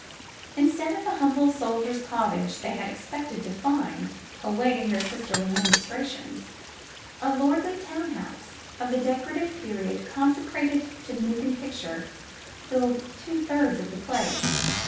Instead of the humble jsoldier 's cottage they had expected to find awaiting their sisterly ministrations, a lordly town house, of the decorative period consecrated to the moving picture, filled two thirds of the place.